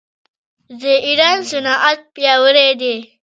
د ایران صنعت پیاوړی دی.